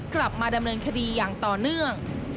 ในนิยะยังจำเริ่มคดีอย่างต่อเนื่อง